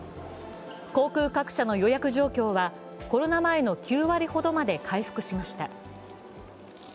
航空各社の予約状況はコロナ前の９割ほどまで回復しました。